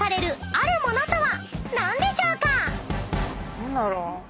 何だろう？